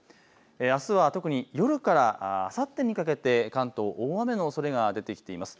あすは特に夜からあさってにかけて関東、大雨のおそれが出てきています。